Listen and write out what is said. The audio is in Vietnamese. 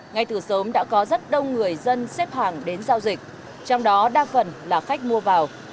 ngay từ sớm đã có rất đông người dân xếp hàng đến giao dịch trong đó đa phần là khách mua vào